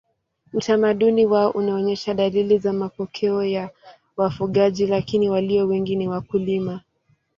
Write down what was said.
Utamaduni wao unaonyesha dalili za mapokeo ya wafugaji lakini walio wengi ni wakulima.